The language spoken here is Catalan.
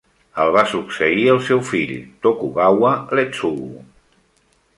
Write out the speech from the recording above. El va succeir el seu fill, Tokugawa Ietsugu.